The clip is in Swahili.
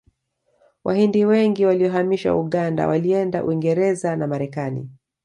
wahidni nwengi waliyohamishwa uganda walienda uingerez na marekani